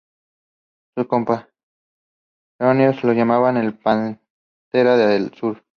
Sus contemporáneos lo llamaban "La Pantera del Sur".